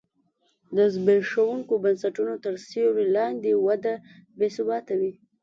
د زبېښونکو بنسټونو تر سیوري لاندې وده بې ثباته وي.